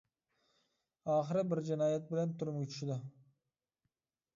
ئاخىر بىر جىنايەت بىلەن تۈرمىگە چۈشىدۇ.